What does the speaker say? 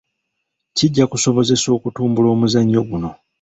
Kijja kusobozesa okutumbula omuzannyo guno.